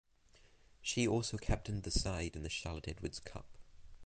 She also captained the side in the Charlotte Edwards Cup.